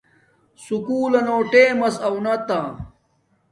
سکُول لنو ٹیمس اونتا